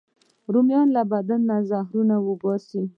رومیان له بدن نه زهرونه وباسي